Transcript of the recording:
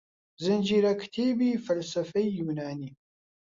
زنجیرەکتێبی فەلسەفەی یۆنانی